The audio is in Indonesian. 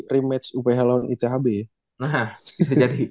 rematch uph lawan ithb ya jadi